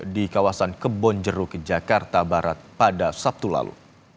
di kawasan kebonjeruk jakarta barat pada sabtu lalu